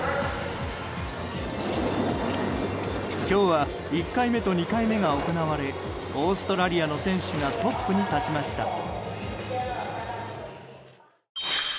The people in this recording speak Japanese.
今日は１回目と２回目が行われオーストラリアの選手がトップに立ちました。